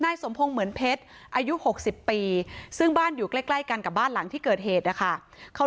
นายสมพงษ์เหมือนเพชรอายุหกสิบปีซึ่งบ้านอยู่ใกล้ใกล้กันกับบ้านหลังที่เกิดเหตุค่ะ